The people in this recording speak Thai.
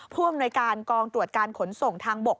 ผู้อำนวยการกองตรวจการขนส่งทางบก